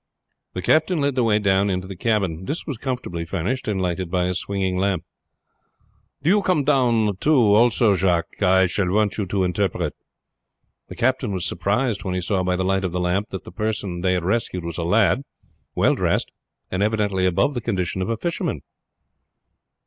The captain led the way down into the cabin. This was comfortably furnished and lighted by a swinging lamp. "Do you come, down Jacques, I shall want you to interpret." The captain was surprised when he saw by the light of the lamp that the person they had rescued was a lad, well dressed, and evidently above the condition of fishermen.